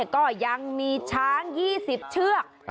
ก็ยังมีช้าง๒๐เชือก